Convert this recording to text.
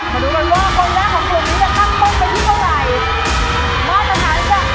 ก็รู้ไหมว่าคนแรกของกลุ่มนี้จะตั้งต้นไปดีกว่า